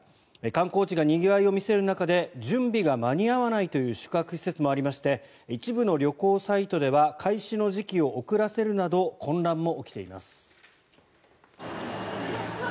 観光地がにぎわいを見せる中で準備が間に合わないという宿泊施設もありまして一部の旅行サイトでは開始の時期を遅らせるなど混乱も起きています。